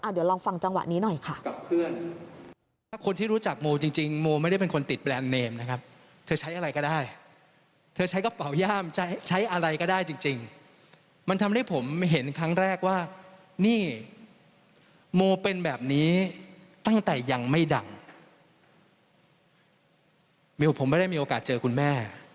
เดี๋ยวลองฟังจังหวะนี้หน่อยค่ะ